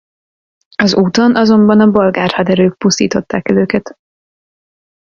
Az úton azonban a bolgár haderők pusztították el őket.